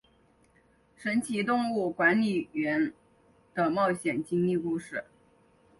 神奇动物管理员的冒险经历故事。